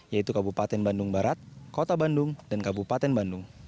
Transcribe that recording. yaitu kabupaten bandung barat kota bandung dan kabupaten bandung